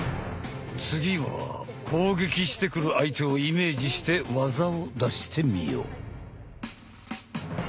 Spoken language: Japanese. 次は攻撃してくる相手をイメージして技を出してみよう！